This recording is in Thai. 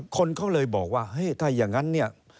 คนเขาเลยบอกว่าเฮ้ยถ้าอย่างนั้นเนี่ย